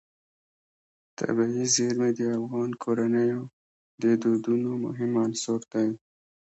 طبیعي زیرمې د افغان کورنیو د دودونو مهم عنصر دی.